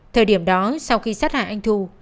thời điểm đó sau khi sát hại anh thu